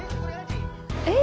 え！